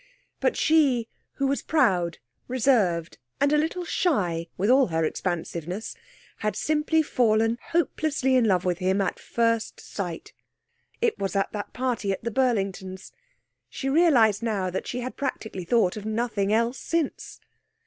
But she, who was proud, reserved, and a little shy with all her expansiveness, had simply fallen hopelessly in love with him at first sight. It was at that party at the Burlingtons. She realised now that she had practically thought of nothing else since.